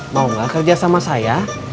mau gak kerja sama saya